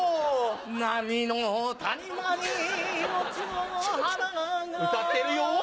波の谷間に命の花が歌ってるよ。